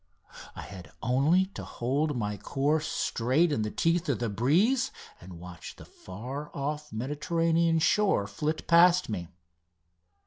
I had only to hold my course straight in the teeth of the breeze and watch the far off Mediterranean shore flit past me.